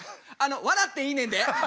笑っていいねんで。